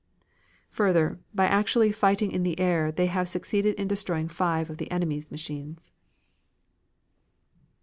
"Further, by actually fighting in the air, they have succeeded in destroying five of the enemy's machines."